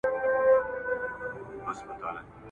اول مې نه خوړل ګلونه